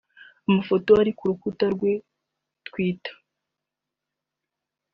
Amafoto ari ku rukuta rwa Twitter